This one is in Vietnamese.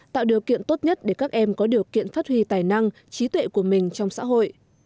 tạo điều kiện tốt nhất để các em có điều kiện phát huy tài năng trí tuệ của mình trong xã hội